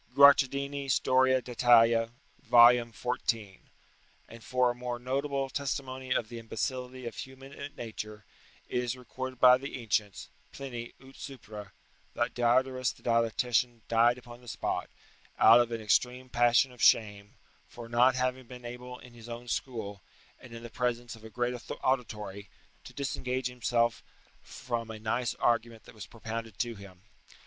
[Guicciardini, Storia d'Italia, vol. xiv.] And for a more notable testimony of the imbecility of human nature, it is recorded by the ancients [Pliny, 'ut supra'] that Diodorus the dialectician died upon the spot, out of an extreme passion of shame, for not having been able in his own school, and in the presence of a great auditory, to disengage himself from a nice argument that was propounded to him.